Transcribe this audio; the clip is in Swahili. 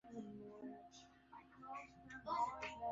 kuwa sheria zinazohitajika sera na mifumo ya utekelezaji ipo na